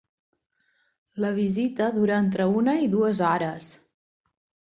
La visita dura entre una i dues hores.